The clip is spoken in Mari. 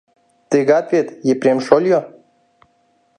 Тыгак вет, Епрем шольо?